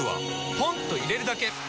ポンと入れるだけ！